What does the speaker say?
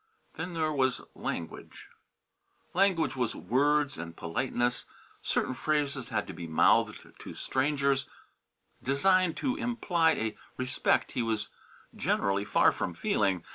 Then there was language. Language was words, and politeness. Certain phrases had to be mouthed to strangers, designed to imply a respect he was generally far from feeling.